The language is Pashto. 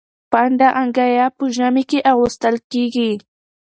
پنډه انګيا په ژمي کي اغوستل کيږي.